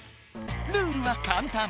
ルールはかんたん。